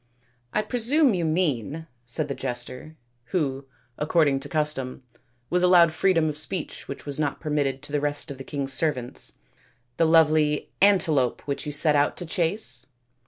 " I presume you mean," said the jester, who, according to custom, was allowed freedom of speech which was not permitted to the rest of the king's servants, " the lovely antelope which you set out to chase